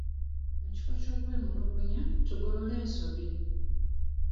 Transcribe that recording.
Mu kifo ky'okwemulugunya, tugolole ensobi.